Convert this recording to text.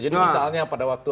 jadi misalnya pada waktu